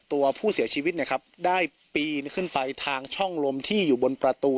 ตัวผู้เสียชีวิตนะครับได้ปีนขึ้นไปทางช่องลมที่อยู่บนประตู